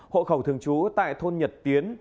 hộ khẩu thường trú tại thôn nhật tiến